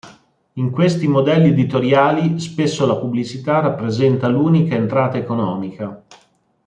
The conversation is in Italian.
In questi modelli editoriali, spesso la pubblicità rappresenta l'unica entrata economica.